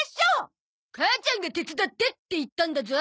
母ちゃんが手伝ってって言ったんだゾ。